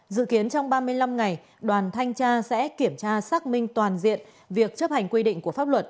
dự kiến trong ba mươi năm ngày đoàn thanh tra sẽ kiểm tra xác minh toàn diện việc chấp hành quy định của pháp luật